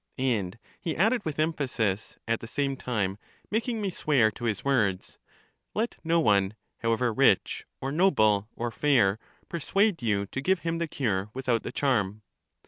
And he added with emphasis, at the same time making me swear to his words, " let no one, how ever rich, or noble, or fair, persuade you to give him the cure, without the charm."